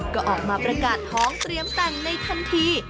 ก็ออกมาประกาศท้องเตรียมแต่งในทันที